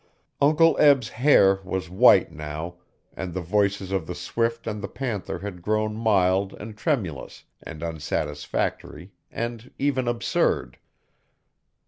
Uncle Eb's hair was white now and the voices of the swift and the panther had grown mild and tremulous and unsatisfactory and even absurd.